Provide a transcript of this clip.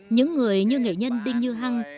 những người như nghệ nhân đinh như hăng